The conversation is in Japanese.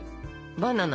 バナナ。